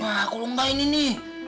wah kulung tain ini